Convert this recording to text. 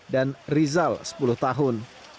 dan rizal sepuluh tahun